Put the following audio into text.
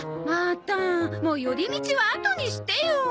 またもう寄り道はあとにしてよ。